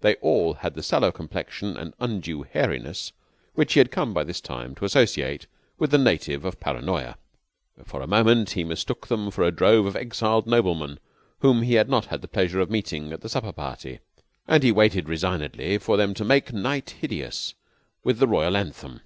They all had the sallow complexion and undue hairiness which he had come by this time to associate with the native of Paranoya. For a moment he mistook them for a drove of exiled noblemen whom he had not had the pleasure of meeting at the supper party; and he waited resignedly for them to make night hideous with the royal anthem.